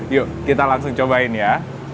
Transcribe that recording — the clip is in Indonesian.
yuk kita langsung cobain ya